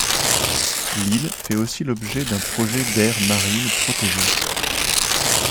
L'île fait aussi l'objet d'un projet d'aire marine protégée.